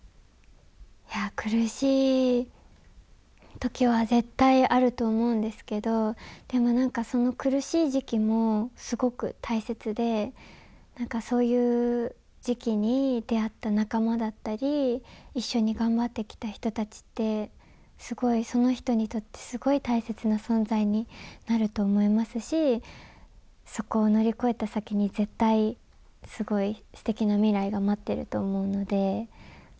苦しいときは絶対あると思うんですけど、でもなんかその苦しい時期も、すごく大切で、そういう時期に出会った仲間だったり、一緒に頑張ってきた人たちって、すごいその人にとってすごい大切な存在になると思いますし、そこを乗り越えた先に絶対すごいすてきな未来が待っていると思うので。